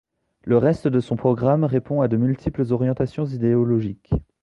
Le reste de son programme répond à de multiples orientations idéologiques.